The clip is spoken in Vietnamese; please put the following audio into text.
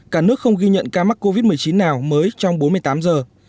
cả nước không ghi nhận ca mắc covid một mươi chín nào mới trong bốn mươi tám giờ